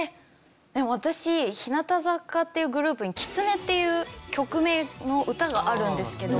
私日向坂っていうグループに『キツネ』っていう曲名の歌があるんですけど。